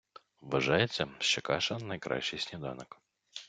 Вважається, що каша — найкращий сніданок.